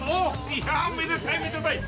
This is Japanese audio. いやめでたいめでたい！